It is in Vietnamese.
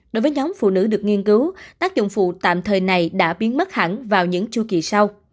đối với nhóm phụ nữ được nghiên cứu tác dụng phụ tạm thời này đã biến mất hẳn vào những chu kỳ sau